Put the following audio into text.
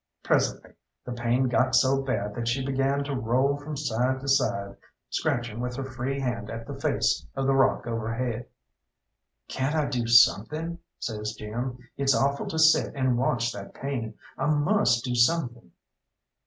Presently the pain got so bad that she began to roll from side to side, scratching with her free hand at the face of the rock overhead. "Can't I do something?" says Jim. "It's awful to sit and watch that pain. I must do something."